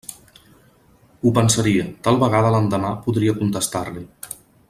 Ho pensaria; tal vegada l'endemà podria contestar-li.